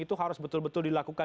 itu harus betul betul dilakukan